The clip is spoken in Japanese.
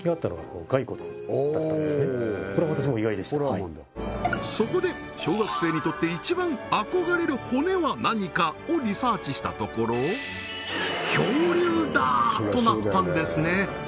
はいそこで小学生にとって一番憧れるほねは何かをリサーチしたところ恐竜だ！となったんですね